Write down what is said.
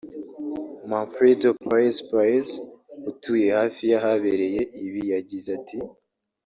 Manfredo Paez Paez utuye hafi y’ahabereye ibi yagize ati